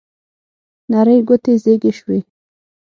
نرۍ ګوتې زیږې شوې